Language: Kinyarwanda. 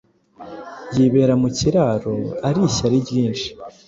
Yibera mu kiraro Ari ishyari ryinshi